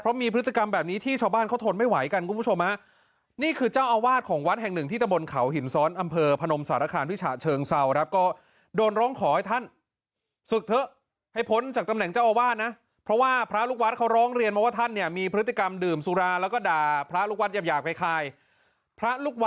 มีพฤติกรรมแบบนี้ที่ชาวบ้านเขาทนไม่ไหวกันคุณผู้ชมฮะนี่คือเจ้าอาวาสของวัดแห่งหนึ่งที่ตะบนเขาหินซ้อนอำเภอพนมสารคามพิฉะเชิงเซาครับก็โดนร้องขอให้ท่านศึกเถอะให้พ้นจากตำแหน่งเจ้าอาวาสนะเพราะว่าพระลูกวัดเขาร้องเรียนมาว่าท่านเนี่ยมีพฤติกรรมดื่มสุราแล้วก็ด่าพระลูกวัดหยาบอยากไปคายพระลูกวั